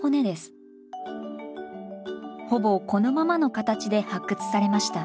ほぼこのままの形で発掘されました。